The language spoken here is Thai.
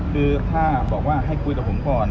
คือถ้าบอกว่าให้คุยกับผมก่อน